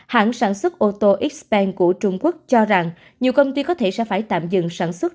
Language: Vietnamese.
hãng sản xuất ô tô xben của trung quốc cho rằng nhiều công ty có thể sẽ phải tạm dừng sản xuất